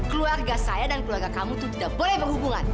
keluarga saya dan keluarga kamu itu tidak boleh berhubungan